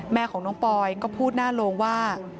แม่ของน้องปอยก็พูดหน้าโรงว่า